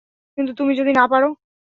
কিন্তু তুমি যদি না পারো?